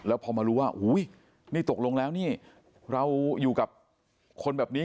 แล้วพอมารู้ว่านี่ตกลงแล้วนี่เราอยู่กับคนแบบนี้